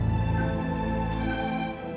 dia sudah berakhir